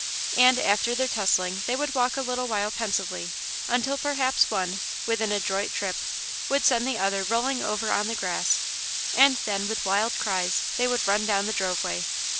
And after their tussling they would walk a little while pensively, until perhaps one, with an adroit trip, would send the other rolling over on the grass, and then, with wild cries, they would run down the drove way.